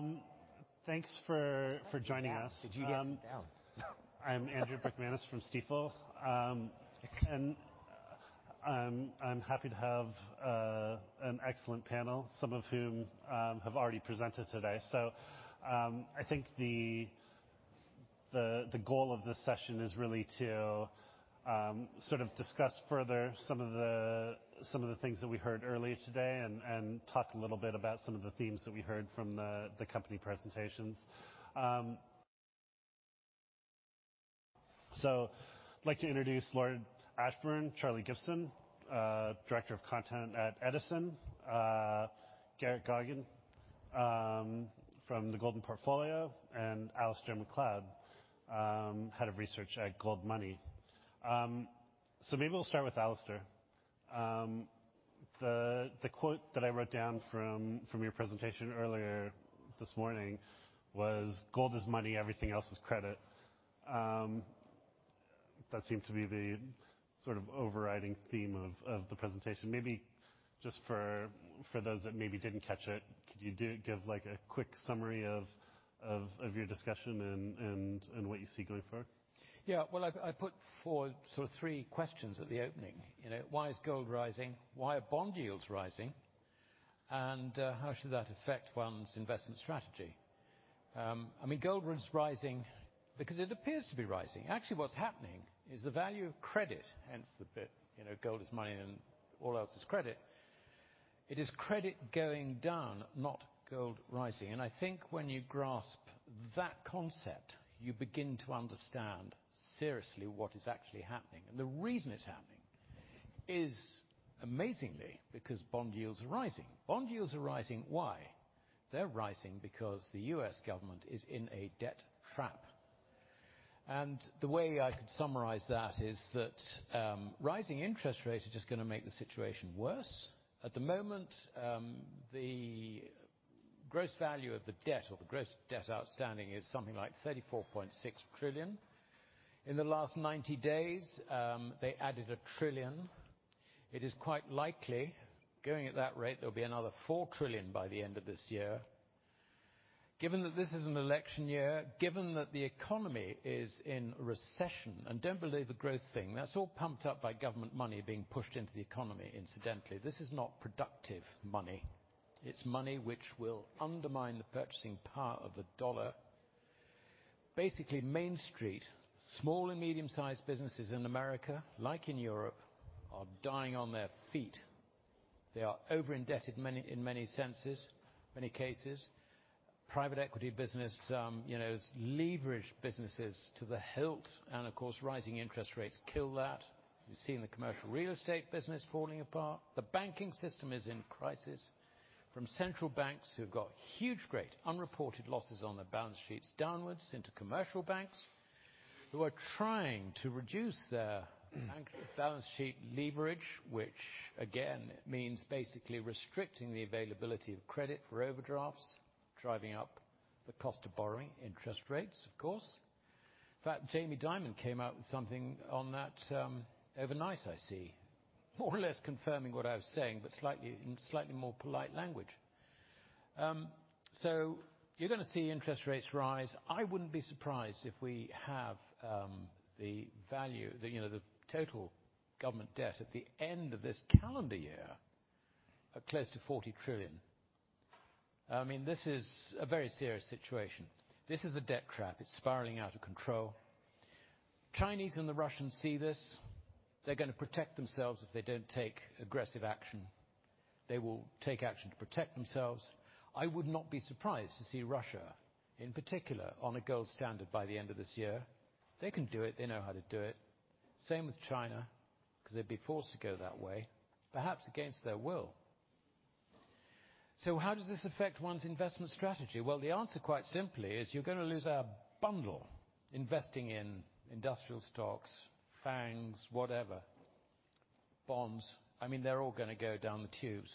Okay. Thanks for joining us. Yeah. Did you get me down? I'm Andrew Breichmanis from Stifel. I'm happy to have an excellent panel, some of whom have already presented today. I think the goal of this session is really to sort of discuss further some of the things that we heard earlier today and talk a little bit about some of the themes that we heard from the company presentations. I'd like to introduce Lord Ashburn, Charlie Gibson, Director of Content at Edison, Garrett Goggin from the Golden Portfolio, and Alasdair Macleod, Head of Research at Goldmoney. Maybe we'll start with Alasdair. The quote that I wrote down from your presentation earlier this morning was, "Gold is money. Everything else is credit." That seemed to be the sort of overriding theme of the presentation. Maybe just for those that maybe didn't catch it, could you give, like, a quick summary of your discussion and what you see going forward? Yeah. Well, I put forward sort of three questions at the opening. You know, why is gold rising? Why are bond yields rising? And how should that affect one's investment strategy? I mean, gold is rising because it appears to be rising. Actually, what's happening is the value of credit, hence the bit, you know, gold is money and all else is credit, it is credit going down, not gold rising. And I think when you grasp that concept, you begin to understand seriously what is actually happening. And the reason it's happening is, amazingly, because bond yields are rising. Bond yields are rising. Why? They're rising because the U.S. government is in a debt trap. And the way I could summarize that is that, rising interest rates are just gonna make the situation worse. At the moment, the gross value of the debt, or the gross debt outstanding, is something like $34.6 trillion. In the last 90 days, they added $1 trillion. It is quite likely, going at that rate, there'll be another $4 trillion by the end of this year. Given that this is an election year, given that the economy is in recession and don't believe the growth thing, that's all pumped up by government money being pushed into the economy incidentally. This is not productive money. It's money which will undermine the purchasing power of the dollar. Basically, Main Street, small and medium-sized businesses in America, like in Europe, are dying on their feet. They are over-indebted in many senses, in many cases. Private equity business, you know, leverage businesses to the hilt, and of course, rising interest rates kill that. You've seen the commercial real estate business falling apart. The banking system is in crisis. From central banks who've got huge, great, unreported losses on their balance sheets downwards into commercial banks who are trying to reduce their bank balance sheet leverage, which, again, means basically restricting the availability of credit for overdrafts, driving up the cost of borrowing, interest rates, of course. In fact, Jamie Dimon came out with something on that, overnight, I see, more or less confirming what I was saying but in slightly more polite language. You're gonna see interest rates rise. I wouldn't be surprised if we have the value, you know, the total government debt at the end of this calendar year at close to $40 trillion. I mean, this is a very serious situation. This is a debt trap. It's spiraling out of control. Chinese and the Russians see this. They're gonna protect themselves if they don't take aggressive action. They will take action to protect themselves. I would not be surprised to see Russia, in particular, on a gold standard by the end of this year. They can do it. They know how to do it. Same with China 'cause they'd be forced to go that way, perhaps against their will. So how does this affect one's investment strategy? Well, the answer, quite simply, is you're gonna lose our bundle investing in industrial stocks, FANGs, whatever, bonds. I mean, they're all gonna go down the tubes.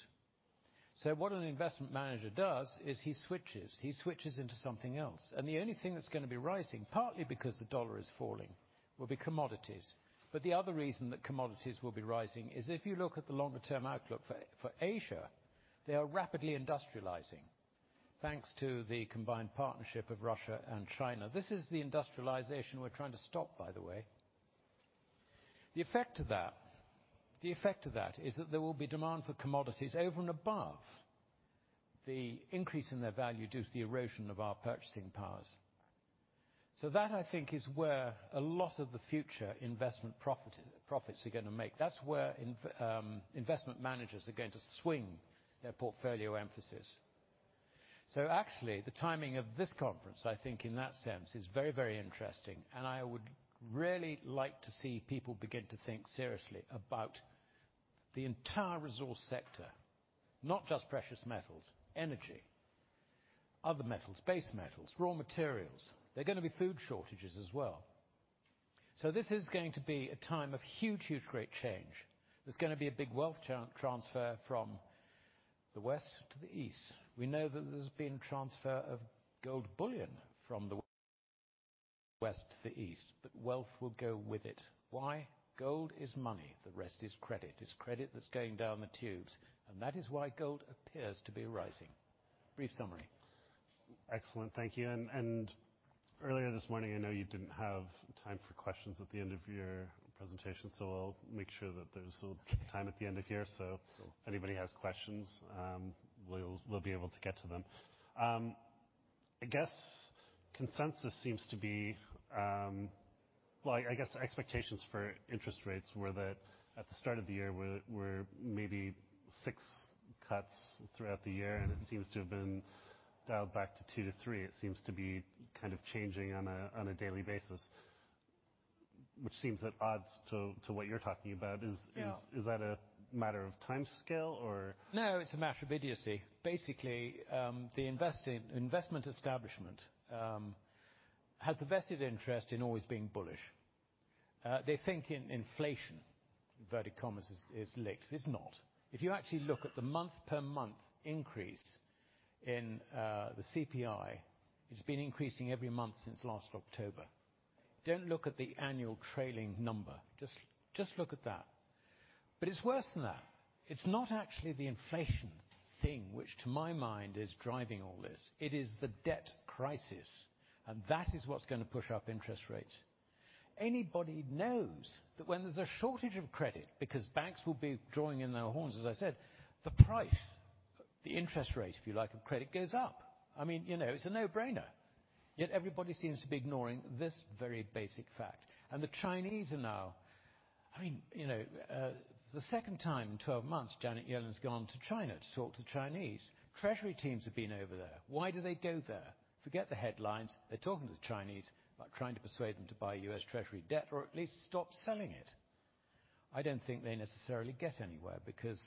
So what an investment manager does is he switches. He switches into something else. And the only thing that's gonna be rising, partly because the US dollar is falling, will be commodities. But the other reason that commodities will be rising is if you look at the longer-term outlook for Asia, they are rapidly industrializing thanks to the combined partnership of Russia and China. This is the industrialization we're trying to stop, by the way. The effect of that is that there will be demand for commodities over and above the increase in their value due to the erosion of our purchasing powers. So that, I think, is where a lot of the future investment profits are gonna make. That's where investment managers are going to swing their portfolio emphasis. So actually, the timing of this conference, I think, in that sense, is very, very interesting. And I would really like to see people begin to think seriously about the entire resource sector, not just precious metals, energy, other metals, base metals, raw materials. There're gonna be food shortages as well. So this is going to be a time of huge, huge, great change. There's gonna be a big wealth transfer from the West to the East. We know that there's been transfer of gold bullion from the West to the East, but wealth will go with it. Why? Gold is money. The rest is credit. It's credit that's going down the tubes. And that is why gold appears to be rising. Brief summary. Excellent. Thank you. And earlier this morning, I know you didn't have time for questions at the end of your presentation, so I'll make sure that there's a little time at the end here. So anybody who has questions, we'll be able to get to them. I guess consensus seems to be, well, I guess expectations for interest rates were that at the start of the year, we're maybe six cuts throughout the year, and it seems to have been dialed back to two to three. It seems to be kind of changing on a daily basis, which seems at odds to what you're talking about. Is that a matter of time scale, or? No. It's a matter of idiocy. Basically, the investing investment establishment has a vested interest in always being bullish. They think in inflation, inverted commas, is, is licked. It's not. If you actually look at the month-over-month increase in the CPI, it's been increasing every month since last October. Don't look at the annual trailing number. Just, just look at that. But it's worse than that. It's not actually the inflation thing which, to my mind, is driving all this. It is the debt crisis. And that is what's gonna push up interest rates. Anybody knows that when there's a shortage of credit because banks will be drawing in their horns, as I said, the price, the interest rate, if you like, of credit goes up. I mean, you know, it's a no-brainer. Yet everybody seems to be ignoring this very basic fact. The Chinese are now, I mean, you know, the second time in 12 months, Janet Yellen's gone to China to talk to Chinese. Treasury teams have been over there. Why do they go there? Forget the headlines. They're talking to the Chinese about trying to persuade them to buy U.S. Treasury debt or at least stop selling it. I don't think they necessarily get anywhere because,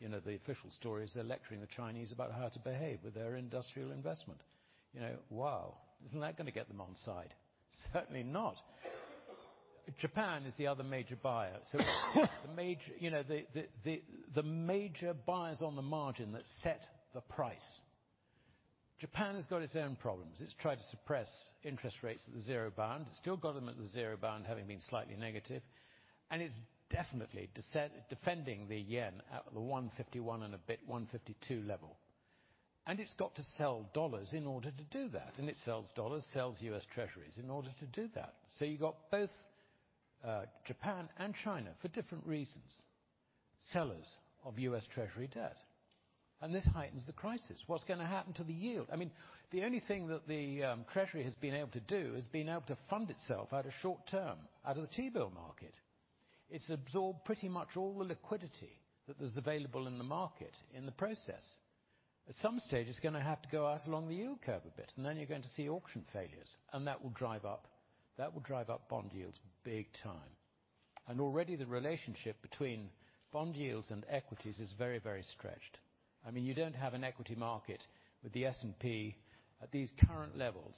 you know, the official story is they're lecturing the Chinese about how to behave with their industrial investment. You know, wow. Isn't that gonna get them on side? Certainly not. Japan is the other major buyer. So the major, you know, buyer's on the margin that set the price. Japan has got its own problems. It's tried to suppress interest rates at the zero bound. It's still got them at the zero bound having been slightly negative. And it's definitely desperately defending the yen at the 151 and a bit, 152 level. And it's got to sell dollars in order to do that. And it sells dollars, sells U.S. Treasuries in order to do that. So you've got both, Japan and China, for different reasons, sellers of U.S. Treasury debt. And this heightens the crisis. What's gonna happen to the yield? I mean, the only thing that the, Treasury has been able to do is been able to fund itself out of short-term, out of the T-bill market. It's absorbed pretty much all the liquidity that was available in the market in the process. At some stage, it's gonna have to go out along the yield curve a bit. And then you're going to see auction failures. And that will drive up bond yields big time. Already, the relationship between bond yields and equities is very, very stretched. I mean, you don't have an equity market with the S&P at these current levels.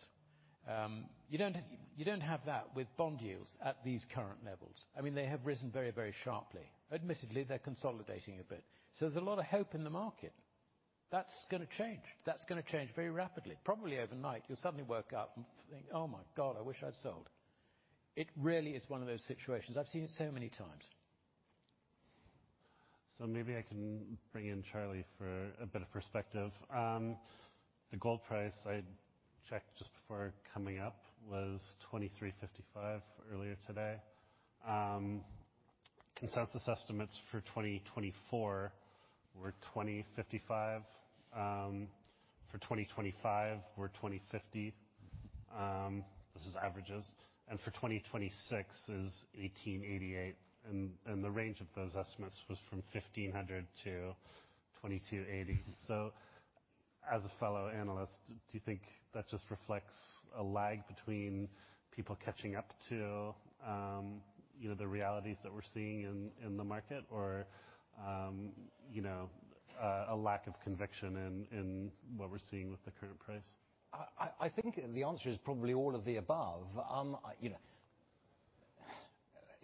You don't have that with bond yields at these current levels. I mean, they have risen very, very sharply. Admittedly, they're consolidating a bit. So there's a lot of hope in the market. That's gonna change. That's gonna change very rapidly. Probably overnight, you'll suddenly wake up and think, "Oh, my God. I wish I'd sold." It really is one of those situations. I've seen it so many times. So maybe I can bring in Charlie for a bit of perspective. The gold price, I checked just before coming up, was $2,355 earlier today. Consensus estimates for 2024 were $2,055. For 2025, were $2,050. This is averages. And for 2026 is $1,888. And the range of those estimates was from $1,500-$2,280. So as a fellow analyst, do you think that just reflects a lag between people catching up to, you know, the realities that we're seeing in the market, or, you know, a lack of conviction in what we're seeing with the current price? I think the answer is probably all of the above. You know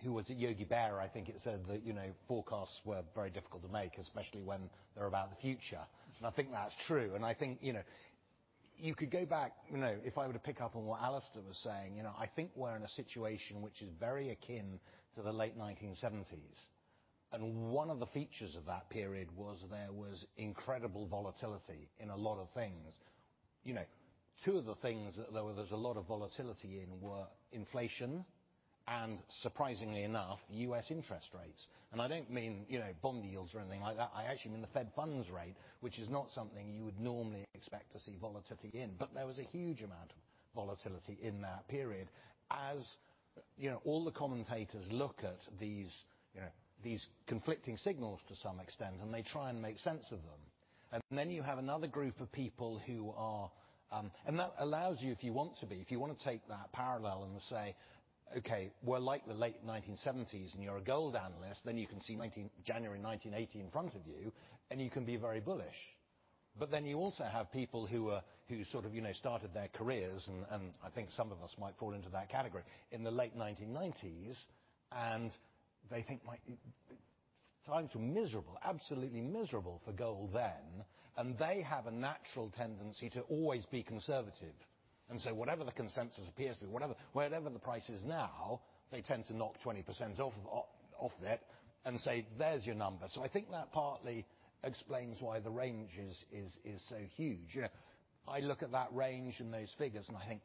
who was at Yogi Berra? I think it said that, you know, forecasts were very difficult to make, especially when they're about the future. And I think that's true. And I think, you know, you could go back you know, if I were to pick up on what Alasdair was saying, you know, I think we're in a situation which is very akin to the late 1970s. And one of the features of that period was there was incredible volatility in a lot of things. You know, two of the things that there were there's a lot of volatility in were inflation and, surprisingly enough, U.S. interest rates. And I don't mean, you know, bond yields or anything like that. I actually mean the Fed funds rate, which is not something you would normally expect to see volatility in. But there was a huge amount of volatility in that period as, you know, all the commentators look at these, you know, these conflicting signals to some extent, and they try and make sense of them. And then you have another group of people who are, and that allows you, if you want to be, if you wanna take that parallel and say, "Okay. We're like the late 1970s," and you're a gold analyst, then you can see 19 January 1980 in front of you, and you can be very bullish. But then you also have people who sort of, you know, started their careers and I think some of us might fall into that category in the late 1990s, and they think, "My times were miserable, absolutely miserable for gold then." And they have a natural tendency to always be conservative. And so whatever the consensus appears to be, wherever the price is now, they tend to knock 20% off of it and say, "There's your number." So I think that partly explains why the range is so huge. You know, I look at that range and those figures, and I think,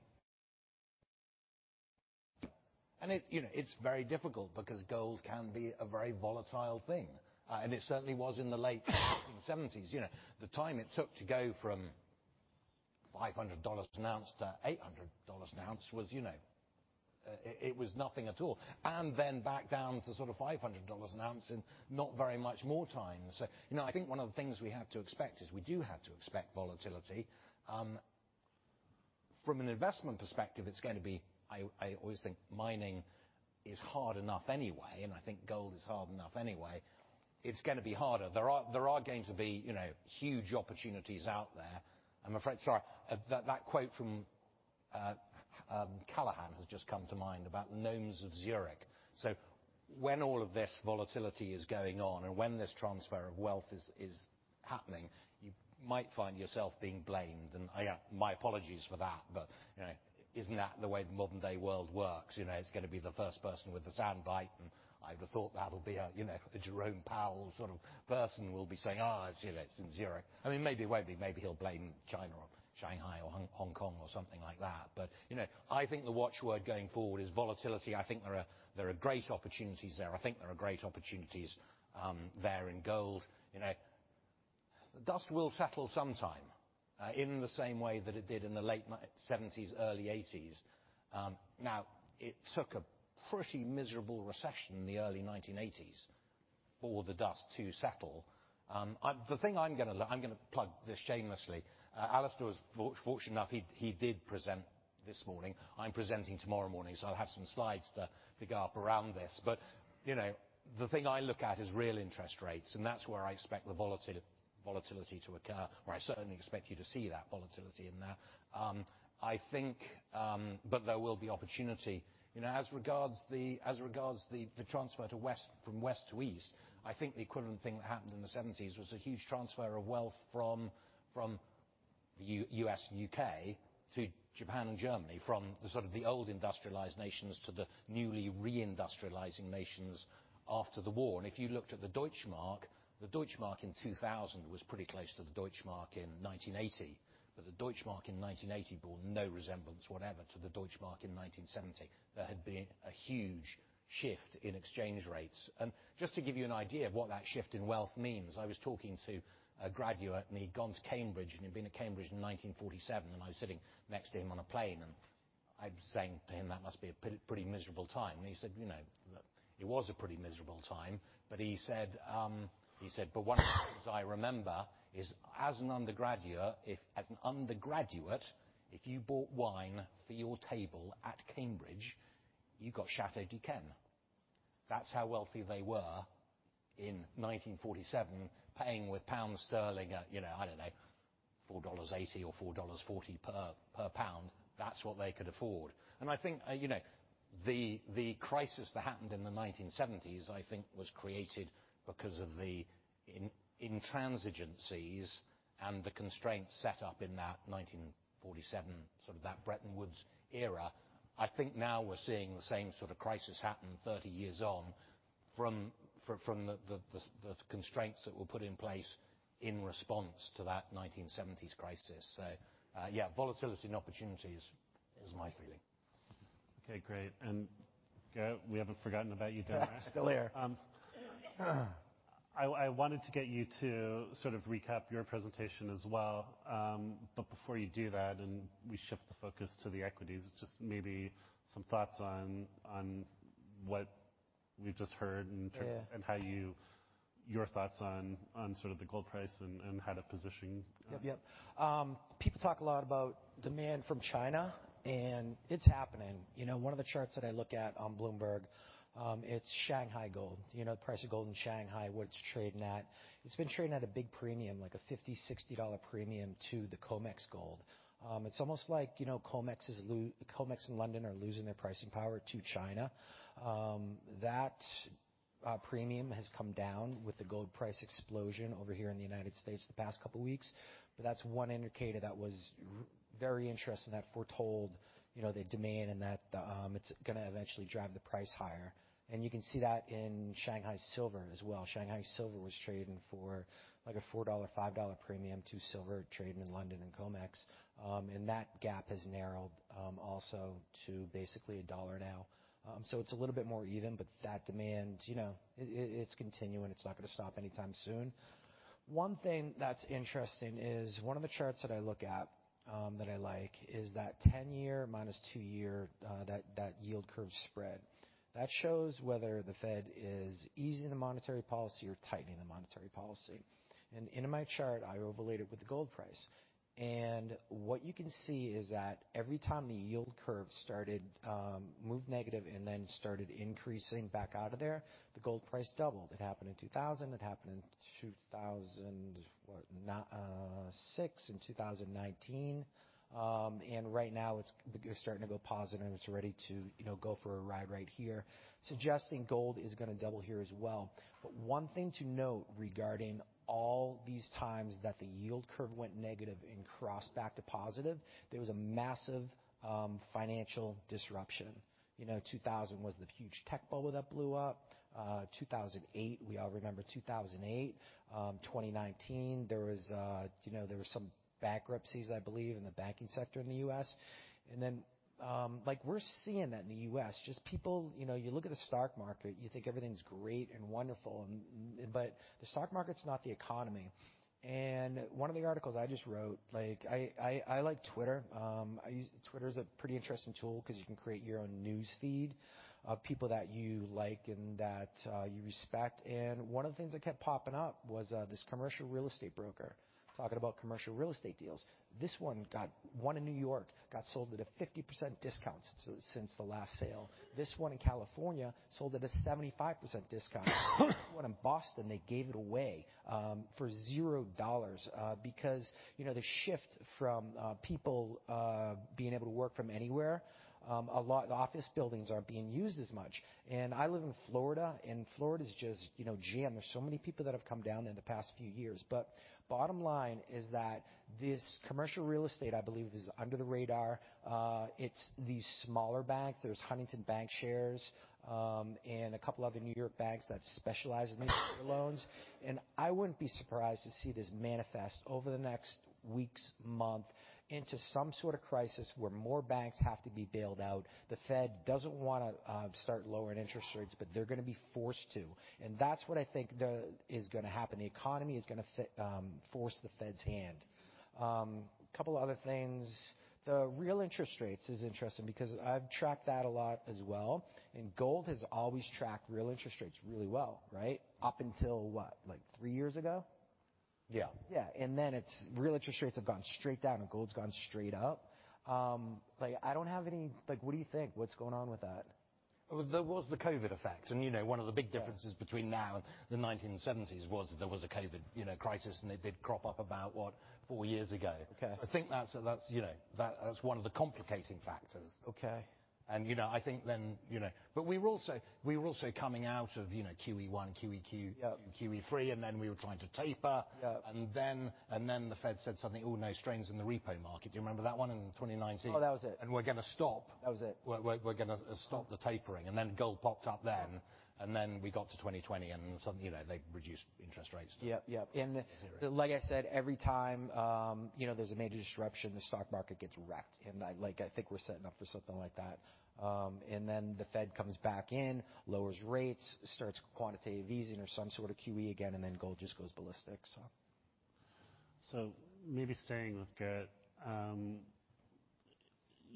you know, it's very difficult because gold can be a very volatile thing, and it certainly was in the late 1970s. You know, the time it took to go from $500 an ounce to $800 an ounce was, you know, it was nothing at all. And then back down to sort of $500 an ounce in not very much more time. So, you know, I think one of the things we have to expect is we do have to expect volatility. From an investment perspective, it's gonna be. I always think mining is hard enough anyway, and I think gold is hard enough anyway. It's gonna be harder. There are going to be, you know, huge opportunities out there. I'm afraid, sorry, that quote from Callaghan has just come to mind about the gnomes of Zurich. So when all of this volatility is going on and when this transfer of wealth is happening, you might find yourself being blamed. And, yeah. My apologies for that. But you know, isn't that the way the modern-day world works? You know, it's gonna be the first person with the scapegoat, and I would've thought that'll be a, you know, a Jerome Powell sort of person will be saying, "Oh, it's, you know, it's in Zurich." I mean, maybe it won't be. Maybe he'll blame China or Shanghai or Hong Kong or something like that. But you know, I think the watchword going forward is volatility. I think there are great opportunities there. I think there are great opportunities there in gold. You know, dust will settle sometime, in the same way that it did in the late 1970s, early 1980s. Now, it took a pretty miserable recession in the early 1980s for the dust to settle. I'm gonna plug this shamelessly. Alasdair was fortunate enough. He did present this morning. I'm presenting tomorrow morning, so I'll have some slides to go up around this. But, you know, the thing I look at is real interest rates. And that's where I expect the volatility to occur, or I certainly expect you to see that volatility in that. I think, but there will be opportunity. You know, as regards the transfer from West to East, I think the equivalent thing that happened in the '70s was a huge transfer of wealth from the U.S. and U.K. to Japan and Germany, from the sort of the old industrialized nations to the newly reindustrializing nations after the war. And if you looked at the Deutsche Mark, the Deutsche Mark in 2000 was pretty close to the Deutsche Mark in 1980. But the Deutsche Mark in 1980 bore no resemblance, whatever, to the Deutsche Mark in 1970. There had been a huge shift in exchange rates. And just to give you an idea of what that shift in wealth means, I was talking to a graduate named Gont Cambridge. And he'd been at Cambridge in 1947. And I was sitting next to him on a plane. And I was saying to him, "That must be a pretty, pretty miserable time." And he said, "You know, it was a pretty miserable time." But he said, he said, "But one of the things I remember is, as an undergraduate, if as an undergraduate, if you bought wine for your table at Cambridge, you got Château d'Yquem" That's how wealthy they were in 1947, paying with pound sterling at, you know, I don't know, $4.80 or $4.40 per, per pound. That's what they could afford. And I think, you know, the crisis that happened in the 1970s, I think, was created because of the intransigencies and the constraints set up in that 1947 sort of that Bretton Woods era. I think now we're seeing the same sort of crisis happen 30 years on from the constraints that were put in place in response to that 1970s crisis. So, yeah. Volatility and opportunity is my feeling. Okay. Great. And, Garrett, we haven't forgotten about you, Darren. Yeah. Still here. I, I wanted to get you to sort of recap your presentation as well. But before you do that, and we shift the focus to the equities, just maybe some thoughts on, on what we've just heard in terms. Yeah. How are your thoughts on sort of the gold price and how to position? Yep. Yep. People talk a lot about demand from China, and it's happening. You know, one of the charts that I look at on Bloomberg, it's Shanghai gold. You know, the price of gold in Shanghai, what it's trading at. It's been trading at a big premium, like a $50-$60 premium to the COMEX gold. It's almost like, you know, COMEX is low. COMEX in London are losing their pricing power to China. That premium has come down with the gold price explosion over here in the United States the past couple weeks. But that's one indicator that was really very interesting, that foretold, you know, the demand and that it's gonna eventually drive the price higher. And you can see that in Shanghai silver as well. Shanghai silver was trading for like a $4-$5 premium to silver trading in London and COMEX. That gap has narrowed, also to basically $1 now. It's a little bit more even. But that demand, you know, it's continuing. It's not gonna stop anytime soon. One thing that's interesting is one of the charts that I look at, that I like is that 10-year minus 2-year, that yield curve spread. That shows whether the Fed is easing the monetary policy or tightening the monetary policy. In my chart, I overlaid it with the gold price. What you can see is that every time the yield curve started, moved negative and then started increasing back out of there, the gold price doubled. It happened in 2000. It happened in 2000 what, no 2006, in 2019. Right now, it's beginning to go positive, and it's ready to, you know, go for a ride right here, suggesting gold is gonna double here as well. But one thing to note regarding all these times that the yield curve went negative and crossed back to positive, there was a massive financial disruption. You know, 2000 was the huge tech bubble that blew up. 2008, we all remember 2008. 2019, there was, you know, there were some bankruptcies, I believe, in the banking sector in the U.S. And then, like, we're seeing that in the U.S. Just people, you know, you look at the stock market, you think everything's great and wonderful. But the stock market's not the economy. And one of the articles I just wrote, like, I like Twitter. I use Twitter as a pretty interesting tool 'cause you can create your own news feed of people that you like and that, you respect. And one of the things that kept popping up was, this commercial real estate broker talking about commercial real estate deals. This one got one in New York got sold at a 50% discount so since the last sale. This one in California sold at a 75% discount. One in Boston, they gave it away, for $0, because, you know, the shift from, people, being able to work from anywhere, a lot the office buildings aren't being used as much. And I live in Florida, and Florida's just, you know, jammed. There's so many people that have come down there in the past few years. But bottom line is that this commercial real estate, I believe, is under the radar. It's these smaller banks. There's Huntington Bancshares, and a couple other New York banks that specialize in these loans. And I wouldn't be surprised to see this manifest over the next weeks, month into some sort of crisis where more banks have to be bailed out. The Fed doesn't wanna start lowering interest rates, but they're gonna be forced to. And that's what I think the is gonna happen. The economy is gonna force the Fed's hand. Couple other things. The real interest rates is interesting because I've tracked that a lot as well. And gold has always tracked real interest rates really well, right, up until what, like three years ago? Yeah. Yeah. And then it's real interest rates have gone straight down, and gold's gone straight up. Like, I don't have any like, what do you think? What's going on with that? Well, there was the COVID effect. You know, one of the big differences between now and the 1970s was that there was a COVID, you know, crisis, and it did crop up about, what, four years ago. Okay. So I think that's, you know, that's one of the complicating factors. Okay. You know, I think then, you know, but we were also coming out of, you know, QE1, QE2. Yeah. QE3, and then we were trying to taper. Yeah. And then the Fed said something, "Oh, no strains in the repo market." Do you remember that one in 2019? Oh, that was it. We're gonna stop. That was it. We're gonna stop the tapering. And then gold popped up then. And then we got to 2020, and something, you know, they reduced interest rates to. Yep. Yep. And, Zero. Like I said, every time, you know, there's a major disruption, the stock market gets wrecked. I, like, I think we're setting up for something like that. And then the Fed comes back in, lowers rates, starts quantitative easing or some sort of QE again, and then gold just goes ballistic, so. So maybe staying with Garrett,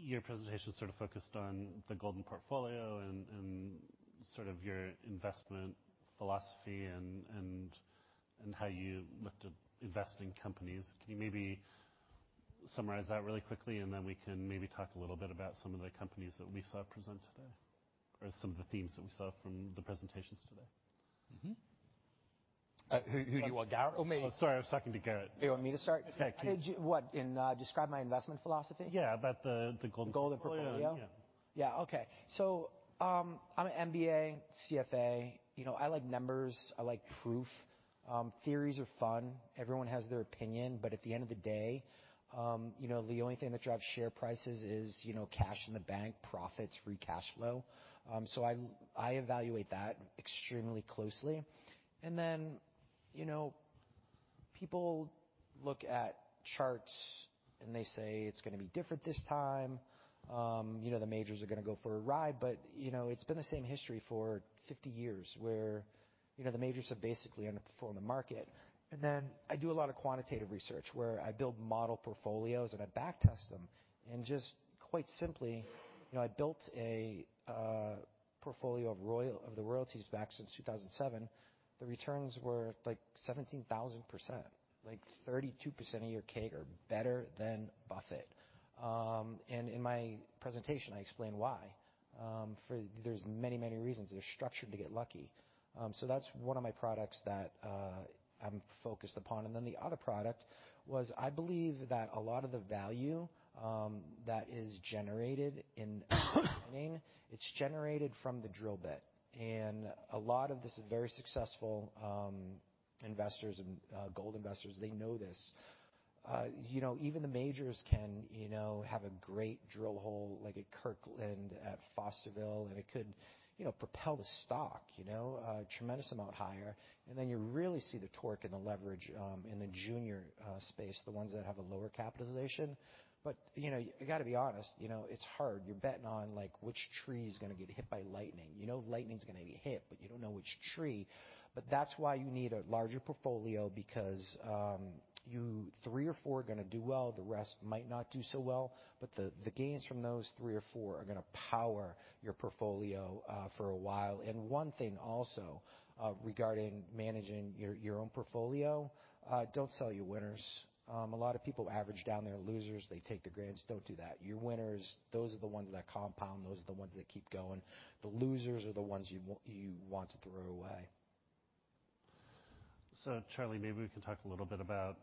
your presentation sort of focused on the Golden Portfolio and sort of your investment philosophy and how you looked at investing in companies. Can you maybe summarize that really quickly, and then we can maybe talk a little bit about some of the companies that we saw present today or some of the themes that we saw from the presentations today? Mm-hmm. Who, who do you want, Garrett? Or maybe. Oh, sorry. I was talking to Garrett. You want me to start? Yeah. Can you. I did you what? And describe my investment philosophy? Yeah. About the Golden Portfolio. The Golden Portfolio? Yeah. Yeah. Okay. So, I'm an MBA, CFA. You know, I like numbers. I like proof. Theories are fun. Everyone has their opinion. But at the end of the day, you know, the only thing that drives share prices is, you know, cash in the bank, profits, free cash flow. So I evaluate that extremely closely. And then, you know, people look at charts, and they say, "It's gonna be different this time." You know, the majors are gonna go for a ride. But, you know, it's been the same history for 50 years where, you know, the majors have basically underperformed the market. And then I do a lot of quantitative research where I build model portfolios, and I backtest them. And just quite simply, you know, I built a portfolio of royalties back since 2007. The returns were, like, 17,000%, like 32% a year CAGR, better than Buffett. And in my presentation, I explain why. For there's many, many reasons. They're structured to get lucky. So that's one of my products that, I'm focused upon. And then the other product was I believe that a lot of the value, that is generated in mining, it's generated from the drill bit. And a lot of this is very successful, investors and, gold investors, they know this. You know, even the majors can, you know, have a great drill hole, like at Kirkland at Fosterville. And it could, you know, propel the stock, you know, a tremendous amount higher. And then you really see the torque and the leverage, in the junior, space, the ones that have a lower capitalization. But, you know, you gotta be honest. You know, it's hard. You're betting on, like, which tree's gonna get hit by lightning. You know lightning's gonna be hit, but you don't know which tree. But that's why you need a larger portfolio because, you three or four are gonna do well. The rest might not do so well. But the gains from those three or four are gonna power your portfolio, for a while. And one thing also, regarding managing your own portfolio, don't sell your winners. A lot of people average down their losers. They take the gains. Don't do that. Your winners, those are the ones that compound. Those are the ones that keep going. The losers are the ones you want to throw away. So, Charlie, maybe we can talk a little bit about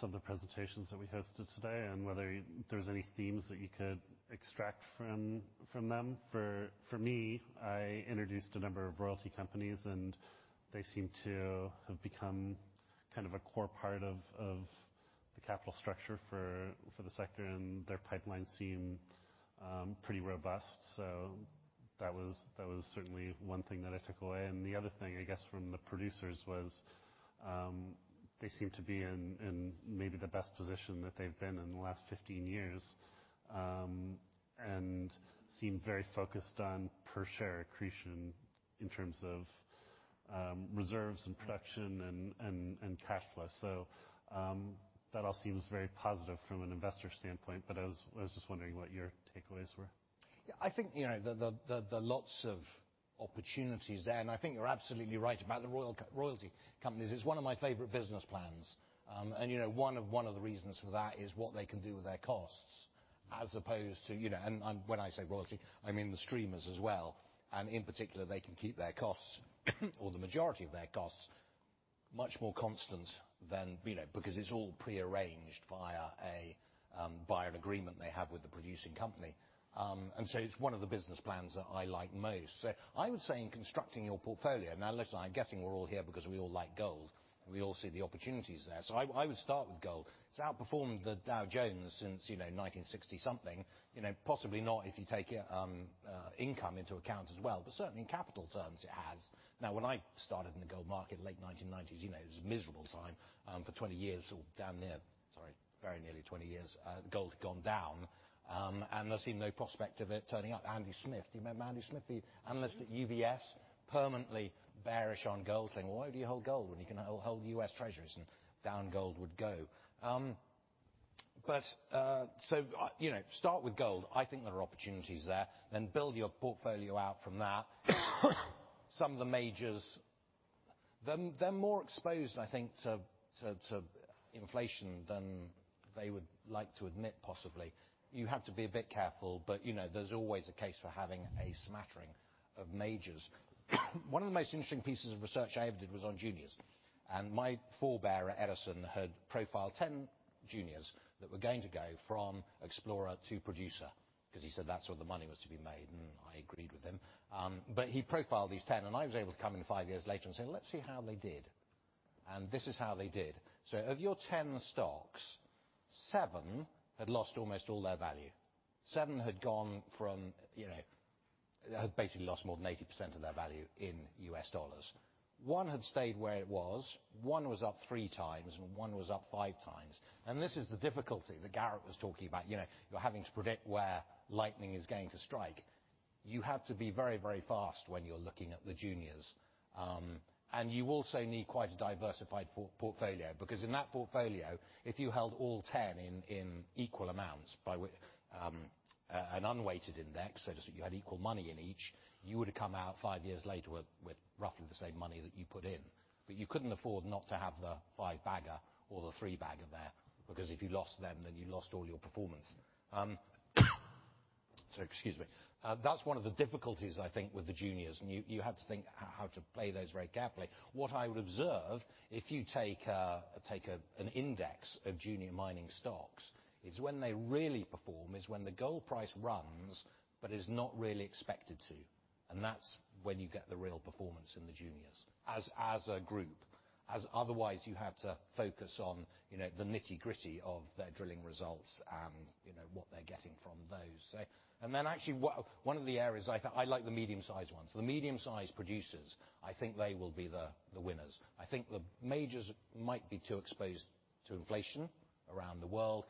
some of the presentations that we hosted today and whether there's any themes that you could extract from them. For me, I introduced a number of royalty companies, and they seem to have become kind of a core part of the capital structure for the sector. And their pipelines seem pretty robust. So that was certainly one thing that I took away. And the other thing, I guess, from the producers was they seem to be in maybe the best position that they've been in the last 15 years, and seem very focused on per-share accretion in terms of reserves and production and cash flow. So, that all seems very positive from an investor standpoint. But I was just wondering what your takeaways were. Yeah. I think, you know, there are lots of opportunities there. And I think you're absolutely right about the royalty companies. It's one of my favorite business plans. And, you know, one of the reasons for that is what they can do with their costs as opposed to, you know, and when I say royalty, I mean the streamers as well. And in particular, they can keep their costs or the majority of their costs much more constant than, you know, because it's all prearranged via an agreement they have with the producing company. And so it's one of the business plans that I like most. So I would say in constructing your portfolio now, listen, I'm guessing we're all here because we all like gold, and we all see the opportunities there. So I would start with gold. It's outperformed the Dow Jones since, you know, 1960-something. You know, possibly not if you take it, income into account as well. But certainly, in capital terms, it has. Now, when I started in the gold market late 1990s, you know, it was a miserable time for 20 years, very nearly 20 years. Gold had gone down. And there seemed no prospect of it turning up. Andy Smith, do you remember Andy Smith, the analyst at UBS, permanently bearish on gold, saying, "Well, why would you hold gold when you can hold U.S. Treasuries and down gold would go?" So, you know, start with gold. I think there are opportunities there. Then build your portfolio out from that. Some of the majors, they're more exposed, I think, to inflation than they would like to admit, possibly. You have to be a bit careful. But, you know, there's always a case for having a smattering of majors. One of the most interesting pieces of research I ever did was on juniors. And my forerunner, Edison, had profiled 10 juniors that were going to go from explorer to producer 'cause he said that's where the money was to be made. And I agreed with him. But he profiled these 10. And I was able to come in 5 years later and say, "Let's see how they did. And this is how they did." So of your 10 stocks, 7 had lost almost all their value. 7 had gone from, you know, had basically lost more than 80% of their value in U.S. dollars. One had stayed where it was. One was up 3 times, and one was up 5 times. This is the difficulty that Garrett was talking about. You know, you're having to predict where lightning is going to strike. You have to be very, very fast when you're looking at the juniors. You also need quite a diversified portfolio because in that portfolio, if you held all 10 in equal amounts by which an unweighted index, so just that you had equal money in each, you would've come out five years later with roughly the same money that you put in. You couldn't afford not to have the five-bagger or the three-bagger there because if you lost them, then you lost all your performance. Excuse me. That's one of the difficulties, I think, with the juniors. You have to think how to play those very carefully. What I would observe, if you take an index of junior mining stocks, it's when they really perform is when the gold price runs but is not really expected to. And that's when you get the real performance in the juniors as a group, as otherwise, you have to focus on, you know, the nitty-gritty of their drilling results and, you know, what they're getting from those. So and then actually, one of the areas I thought I like the medium-sized ones. The medium-sized producers, I think they will be the winners. I think the majors might be too exposed to inflation around the world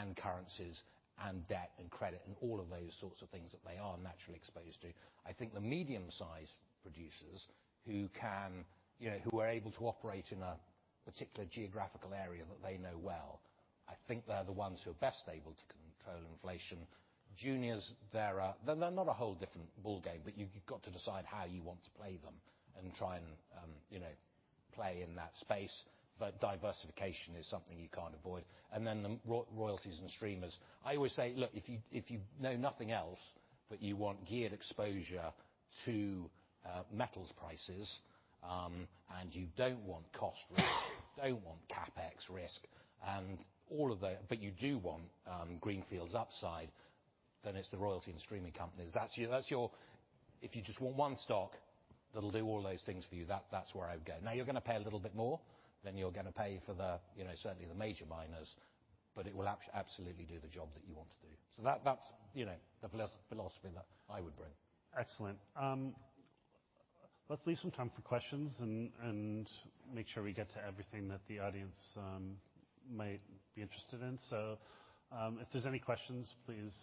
and currencies and debt and credit and all of those sorts of things that they are naturally exposed to. I think the medium-sized producers who can you know, who are able to operate in a particular geographical area that they know well, I think they're the ones who are best able to control inflation. Juniors, they're not a whole different ballgame. But you've got to decide how you want to play them and try and, you know, play in that space. But diversification is something you can't avoid. And then the royalties and streamers, I always say, "Look, if you know nothing else but you want geared exposure to metals prices, and you don't want cost risk, don't want CapEx risk, and all of the but you do want Greenfield's upside, then it's the royalty and streaming companies." That's your if you just want one stock that'll do all those things for you, that's where I would go. Now, you're gonna pay a little bit more. Then you're gonna pay for the, you know, certainly, the major miners. But it will absolutely do the job that you want to do. So that's, you know, the philosophy that I would bring. Excellent. Let's leave some time for questions and make sure we get to everything that the audience might be interested in. So, if there's any questions, please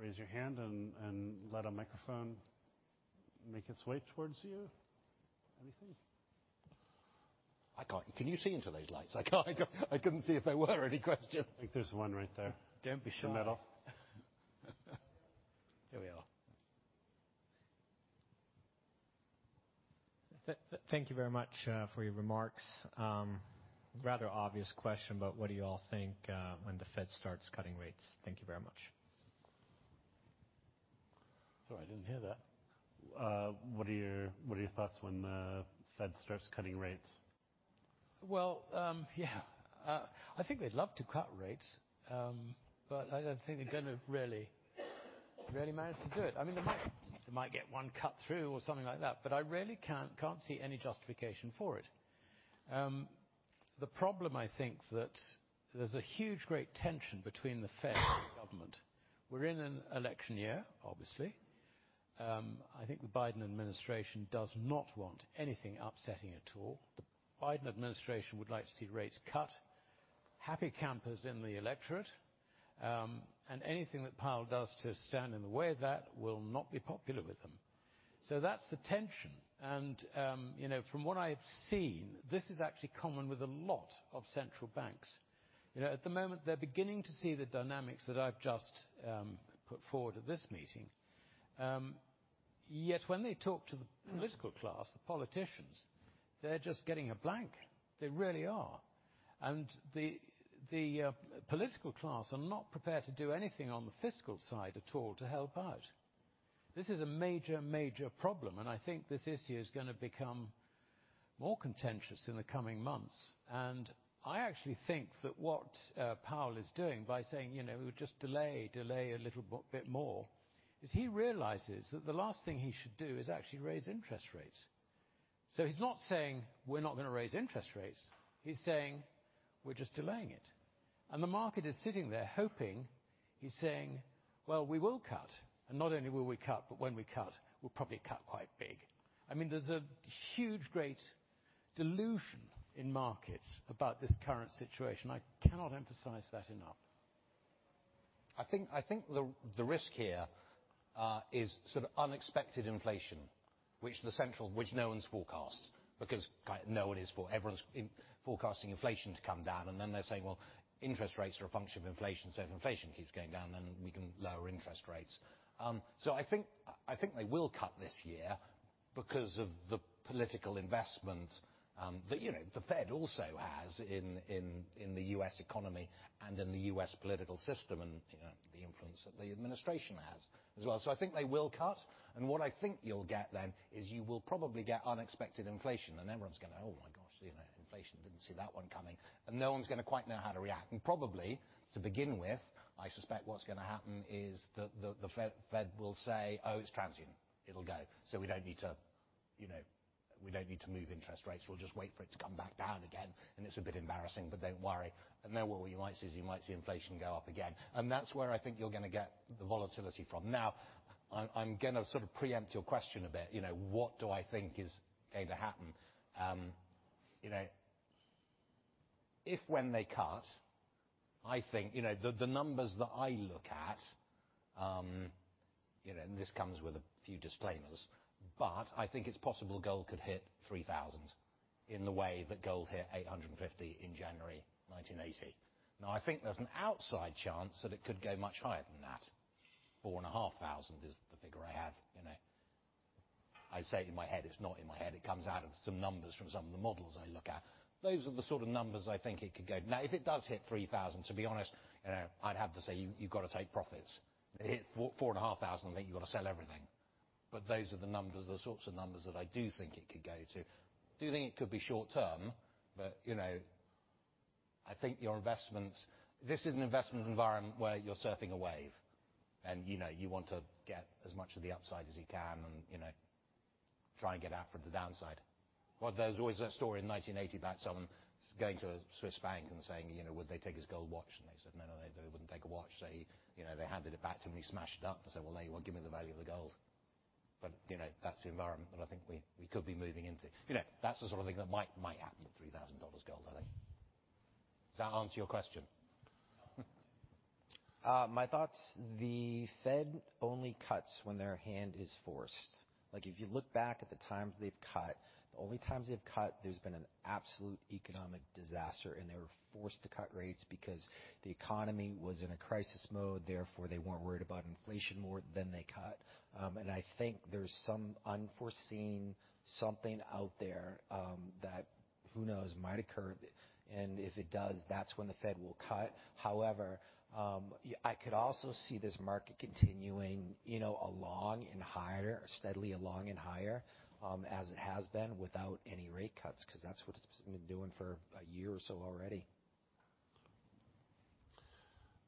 raise your hand and let a microphone make its way towards you. Anything? I can't. Can you see into those lights? I can't. I couldn't see if there were any questions. I think there's one right there. Don't be shy. The metal. Here we are. Thank you very much for your remarks. Rather obvious question, but what do you all think when the Fed starts cutting rates? Thank you very much. Sorry. I didn't hear that. What are your thoughts when the Fed starts cutting rates? Well, yeah. I think they'd love to cut rates. But I, I think they're gonna really, really manage to do it. I mean, they might they might get one cut through or something like that. But I really can't, can't see any justification for it. The problem, I think, that there's a huge, great tension between the Fed and the government. We're in an election year, obviously. I think the Biden administration does not want anything upsetting at all. The Biden administration would like to see rates cut, happy campers in the electorate. And anything that Powell does to stand in the way of that will not be popular with them. So that's the tension. And, you know, from what I've seen, this is actually common with a lot of central banks. You know, at the moment, they're beginning to see the dynamics that I've just put forward at this meeting. Yet when they talk to the political class, the politicians, they're just getting a blank. They really are. And the political class are not prepared to do anything on the fiscal side at all to help out. This is a major, major problem. And I think this issue is gonna become more contentious in the coming months. And I actually think that what Powell is doing by saying, you know, "We'll just delay, delay a little bit more," is he realizes that the last thing he should do is actually raise interest rates. So he's not saying, "We're not gonna raise interest rates." He's saying, "We're just delaying it." And the market is sitting there hoping. He's saying, "Well, we will cut. And not only will we cut, but when we cut, we'll probably cut quite big." I mean, there's a huge, great delusion in markets about this current situation. I cannot emphasize that enough. I think the risk here is sort of unexpected inflation, which no one's forecast because kind of no one is, everyone's forecasting inflation to come down. And then they're saying, "Well, interest rates are a function of inflation. So if inflation keeps going down, then we can lower interest rates." So I think they will cut this year because of the political investment that, you know, the Fed also has in the U.S. economy and in the U.S. political system and, you know, the influence that the administration has as well. So I think they will cut. And what I think you'll get then is you will probably get unexpected inflation. And everyone's gonna, "Oh, my gosh. You know, inflation. Didn't see that one coming." And no one's gonna quite know how to react. Probably, to begin with, I suspect what's gonna happen is that the Fed will say, "Oh, it's transient. It'll go. So we don't need to, you know we don't need to move interest rates. We'll just wait for it to come back down again. And it's a bit embarrassing. But don't worry." Then what you might see is you might see inflation go up again. And that's where I think you're gonna get the volatility from. Now, I'm gonna sort of preempt your question a bit. You know, what do I think is going to happen? You know, if, when they cut, I think you know, the numbers that I look at, you know, and this comes with a few disclaimers. But I think it's possible gold could hit $3,000 in the way that gold hit $850 in January 1980. Now, I think there's an outside chance that it could go much higher than that. $4,500 is the figure I have, you know. I say it in my head. It's not in my head. It comes out of some numbers from some of the models I look at. Those are the sort of numbers I think it could go. Now, if it does hit $3,000, to be honest, you know, I'd have to say, "You, you've gotta take profits." If it hit $4,500, I think you've gotta sell everything. But those are the numbers, the sorts of numbers that I do think it could go to. I do think it could be short-term. But, you know, I think your investments this is an investment environment where you're surfing a wave. You know, you want to get as much of the upside as you can and, you know, try and get out from the downside. Well, there's always that story in 1980 about someone going to a Swiss bank and saying, you know, "Would they take his gold watch?" And they said, "No, no, no. They wouldn't take a watch." So he, you know, they handed it back to him. And he smashed it up. And said, "Well, there you go. Give me the value of the gold." But, you know, that's the environment that I think we, we could be moving into. You know, that's the sort of thing that might, might happen with $3,000 gold, I think. Does that answer your question? My thoughts, the Fed only cuts when their hand is forced. Like, if you look back at the times they've cut, the only times they've cut, there's been an absolute economic disaster. And they were forced to cut rates because the economy was in a crisis mode. Therefore, they weren't worried about inflation more than they cut. And I think there's some unforeseen something out there, that, who knows, might occur. And if it does, that's when the Fed will cut. However, I could also see this market continuing, you know, along and higher, steadily along and higher, as it has been without any rate cuts 'cause that's what it's been doing for a year or so already.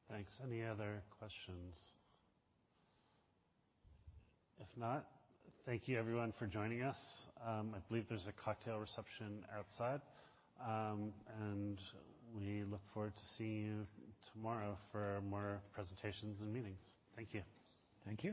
Thanks. Any other questions? If not, thank you, everyone, for joining us. I believe there's a cocktail reception outside. We look forward to seeing you tomorrow for more presentations and meetings. Thank you. Thank you.